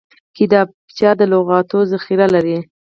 کتابچه د لغتونو ذخیره لري